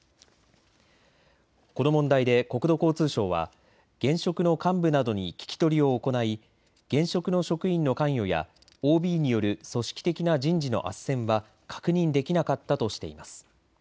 この問題で国土交通省は現職の幹部などに聞き取りを行い現職の職員の関与やＯＢによる組織的な人事のあっせんは確認できなかったとしています。